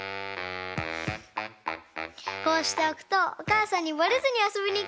こうしておくとおかあさんにバレずにあそびにいけるんだ！